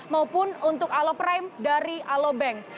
maupun untuk aloprime dari alobank